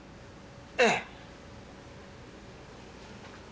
ええ。